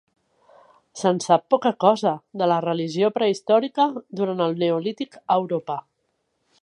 Se'n sap poca cosa, de la religió prehistòrica durant el Neolític a Europa.